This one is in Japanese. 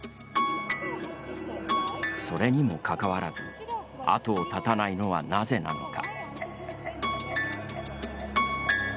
それにも関わらず後を絶たないのはなぜなのか。